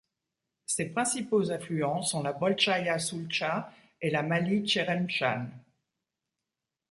Ses principaux affluents sont la Bolchaïa Soultcha et la Maly Tcheremchan.